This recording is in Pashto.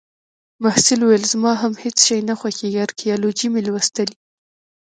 محصل وویل: زما هم هیڅ شی نه خوښیږي. ارکیالوجي مې لوستلې